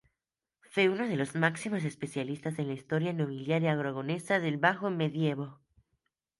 Fue uno de los máximos especialistas en la historia nobiliaria aragonesa del Bajo Medievo.